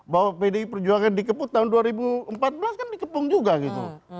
bahwa pdi perjuangan dikepung tahun dua ribu empat belas kan dikepung juga gitu